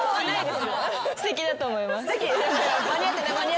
すてきだと思います。